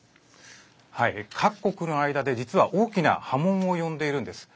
各国の間で、実は大きな波紋を呼んでいるんです。